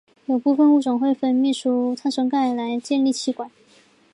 有部分物种会分泌出碳酸钙来建立栖管。